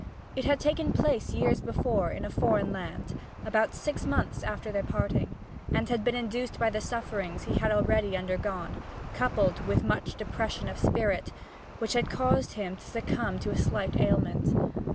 It had taken place years before, in a foreign land, about six months after their parting, and had been induced by the sufferings he had already undergone, coupled with much depression of spirit, which had caused him to succumb to a slight ailment.